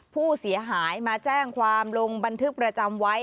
ผู้เสียหายมาแจ้งความลงบันทึกประจำไว้